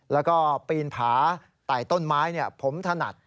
และก็ปีนผาไต้อย่ายธาตุผมถนัด